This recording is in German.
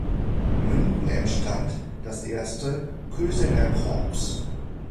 Münden entstand das erste Kösener Corps.